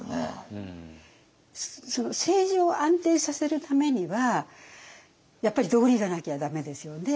政治を安定させるためにはやっぱり道理がなきゃ駄目ですよね。